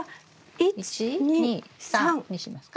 １２３にしますか？